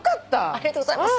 ありがとうございます。